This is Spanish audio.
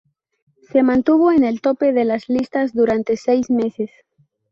Se mantuvo en el tope de las listas durante seis meses.